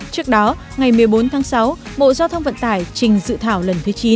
trước đó ngày một mươi bốn tháng sáu bộ giao thông vận tải trình dự thảo lần thứ chín